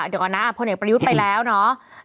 เดี๋ยวก่อนนะพลเอกประยุทธ์ไปแล้วเนาะ